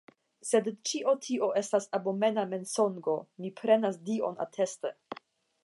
Sed ĉio tio estas abomena mensogo; mi prenas Dion ateste.